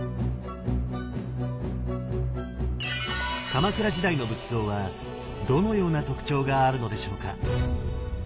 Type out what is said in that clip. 鎌倉時代の仏像はどのような特徴があるのでしょうか？